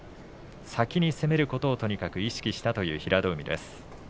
先に攻めることをとにかく意識したという平戸海です。